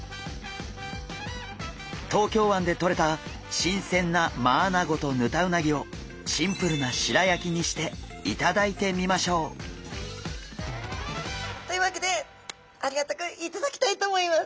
東京湾でとれたしんせんなマアナゴとヌタウナギをシンプルな白焼きにして頂いてみましょう！というわけでありがたく頂きたいと思います。